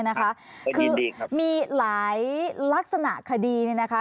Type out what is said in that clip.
คือมีหลายลักษณะคดีเนี่ยนะคะ